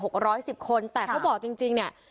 กร้อยสิบคนแต่เขาบอกจริงจริงเนี่ย